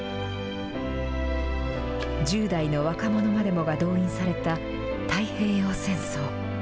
１０代の若者までもが動員された太平洋戦争。